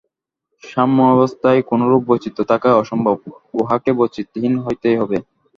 সাম্যাবস্থায় কোনরূপ বৈচিত্র্য থাকা অসম্ভব, উহাকে বৈচিত্র্যহীন হইতেই হইবে।